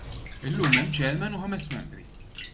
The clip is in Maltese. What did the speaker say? Illum hemm Chairman u ħames membri.